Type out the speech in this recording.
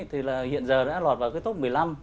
thì là hiện giờ đã lọt vào cái tốc một mươi năm